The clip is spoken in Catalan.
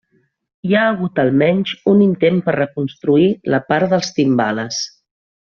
Hi ha hagut almenys un intent per reconstruir la part dels timbales.